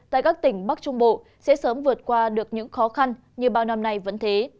tại các tỉnh bắc trung bộ sẽ sớm vượt qua được những khó khăn như bao năm nay vẫn thế